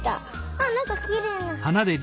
あっなんかきれいな。